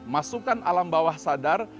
masukkan alam bawah sadar